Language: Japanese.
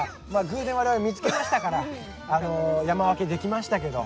偶然我々見つけましたから山分けできましたけど。